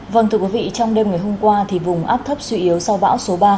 vâng thưa quý vị trong đêm ngày hôm qua thì vùng áp thấp suy yếu sau bão số ba